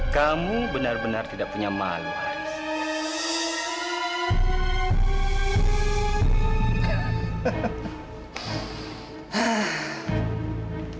kamu benar benar tidak punya malu anies